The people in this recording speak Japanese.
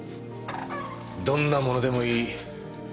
どんなものでもいい。